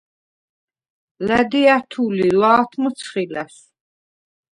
ლა̈დი ა̈თუ ლი, ლა̄თ მჷცხი ლა̈სვ.